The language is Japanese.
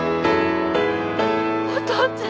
お父ちゃん！